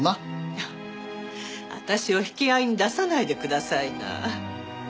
私を引き合いに出さないでくださいな。